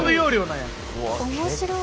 面白い。